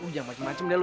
ujang macem macem dia lu